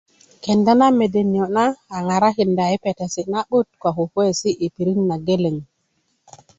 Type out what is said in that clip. kenda na mede niyo na a ŋarakinda i petesi na'but ko kukuwesi i pirit na geleŋ